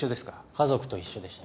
家族と一緒でした。